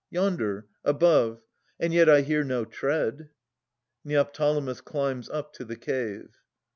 Yonder, above. And yet I hear no tread. [Neoptolemus climbs up to the cave.